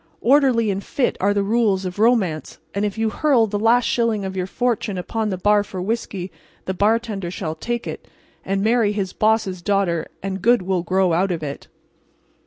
Orderly and fit are the rules of Romance; and if you hurl the last shilling of your fortune upon the bar for whiskey, the bartender shall take it, and marry his boss's daughter, and good will grow out of it.